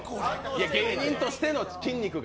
芸人としての筋肉が。